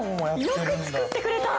◆よく作ってくれた！